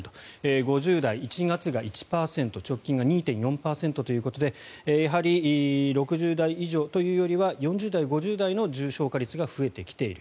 ５０代、１月が１％直近が２．４％ということでやはり６０代以上というよりは４０代、５０代の重症化率が増えてきている。